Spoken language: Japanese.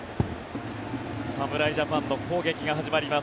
侍ジャパンの攻撃が始まります。